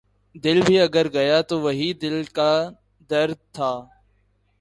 دل بھی اگر گیا تو وہی دل کا درد تھا